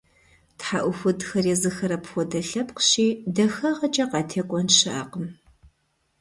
ТхьэӀухудхэр езыхэр апхуэдэ лъэпкъщи, дахагъэкӀэ къатекӀуэн щыӀэкъым.